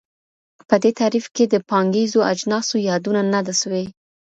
په دې تعریف کي د پانګیزو اجناسو یادونه نه ده سوي.